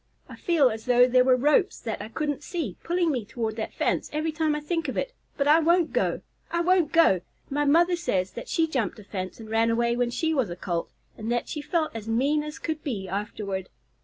I feel as though there were ropes that I couldn't see, pulling me toward that fence every time I think of it, but I won't go! I won't go! My mother says that she jumped a fence and ran away when she was a Colt, and that she felt as mean as could be afterward."